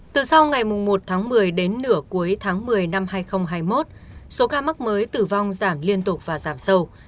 từ sau ngày một tháng một mươi đến nửa cuối tháng một mươi năm hai nghìn hai mươi một số ca mắc mới tử vong giảm liên tục và giảm sâu